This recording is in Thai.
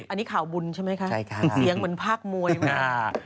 อันนี้ข่าวบุญใช่ไหมคะเสียงเหมือนภาคมวยมาก